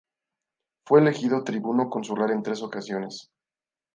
Fue elegido tribuno consular en tres ocasiones.